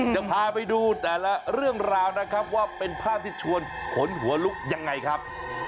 จะพาไปดูแต่ละเรื่องราวนะครับว่าเป็นภาพที่ชวนขนหัวลุกยังไงครับ